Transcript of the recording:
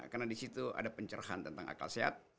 karena disitu ada pencerahan tentang akal sehat